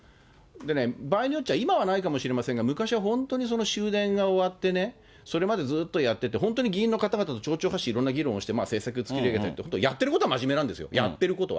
場合によっちゃ、今はないかもしれないですけど、昔は本当に終電が終わってね、それまでずっとやってて、本当に議員の方と丁々発止、いろんな議論して政策とか、やってることは真面目なんですよ、やってることは。